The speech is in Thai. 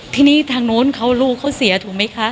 ทีนี้ทางโน้นเขาลูกเขาเสียถูกมั้ยคะ